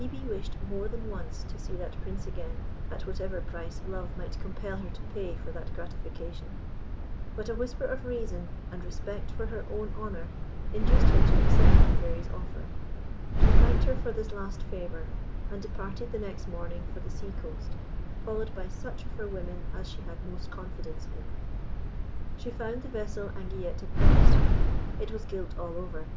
Hebe wished more than once to see that Prince again at whatever price Love might compel her to pay for that gratification; but a whisper of Reason, and respect for her own honour, induced her to accept the Fairy's offer. She thanked her for this last favour, and departed the next morning for the sea coast, followed by such of her women as she had most confidence in. She found the vessel Anguillette had promised her. It was gilt all over.